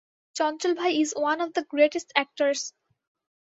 চঞ্চল ভাই is one of the greatest actors.